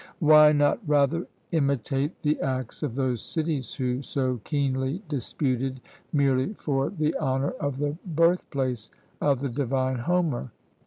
Why not rather imitate the acts of those cities who so keenly disputed merely for the honour of the birth place of the divine Homer?